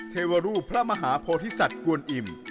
เทวรูปพระมหาโพธิสัตว์กวนอิ่ม